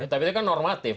tapi itu kan normatif